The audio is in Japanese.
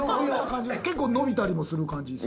結構伸びたりもする感じですか？